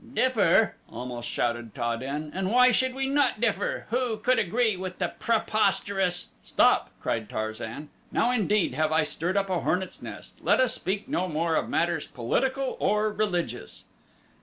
"Differ!" almost shouted Ta den; "and why should we not differ? Who could agree with the preposterous " "Stop!" cried Tarzan. "Now, indeed, have I stirred up a hornets' nest. Let us speak no more of matters political or religious."